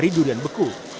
dari durian beku